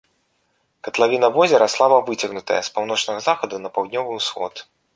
Катлавіна возера слаба выцягнутая з паўночнага захаду на паўднёвы ўсход.